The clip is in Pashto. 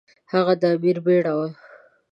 هغه د امیر بیړه وه.